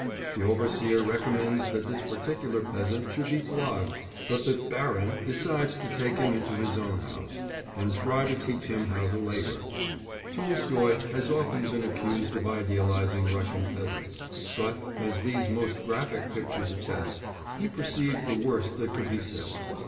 The overseer recommends that this particular peasant should be flogged, but the "barin" decides to take him into his own house and try to teach him how to labour. Tolstoy has often been accused of idealising Russian peasants, but, as these most graphic pictures attest, he perceived the worst that could be said.